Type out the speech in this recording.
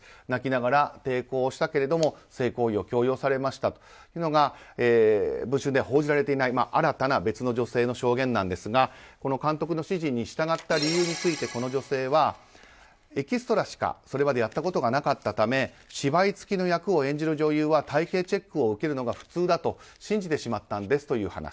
泣きながら抵抗したけれども性行為を強要されましたというのが「文春」で報じられていない新たな別の女性の証言ですがこの監督の指示に従った理由について、この女性はエキストラしか、これまでやったことがなかったため芝居つきの役を演じる女優は体形チェックを受けるのが普通だと信じてしまったと。